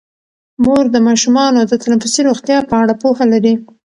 مور د ماشومانو د تنفسي روغتیا په اړه پوهه لري.